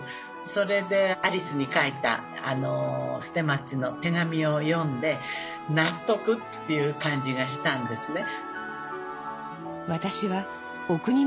それでアリスに書いた捨松の手紙を読んで納得っていう感じがしたんですね。